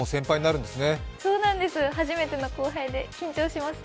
初めての後輩で緊張します。